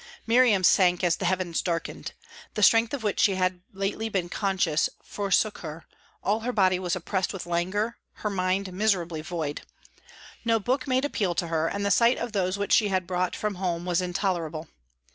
Miriam sank as the heavens darkened. The strength of which she had lately been conscious forsook her; all her body was oppressed with languor, her mind miserably void. No book made appeal to her, and the sight of those which she had bought from home was intolerable.